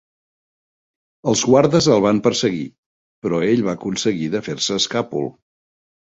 Els guardes el van perseguir, però ell va aconseguir de fer-se escàpol.